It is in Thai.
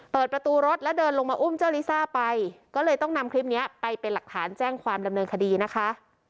เปิดประตูรถแล้วเดินลงมาอุ้มเจ้าลิซ่าไปก็เลยต้องนำคลิปนี้ไปเป็นหลักฐานแจ้งความดำเนินคดีนะคะ